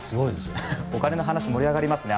お金の話盛り上がりますね。